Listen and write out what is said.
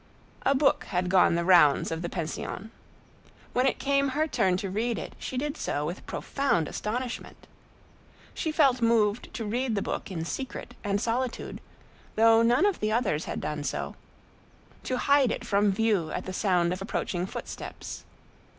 A book had gone the rounds of the pension. When it came her turn to read it, she did so with profound astonishment. She felt moved to read the book in secret and solitude, though none of the others had done so,—to hide it from view at the sound of approaching footsteps.